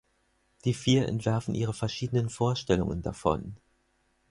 Die vier entwerfen ihre verschiedenen Vorstellungen davon.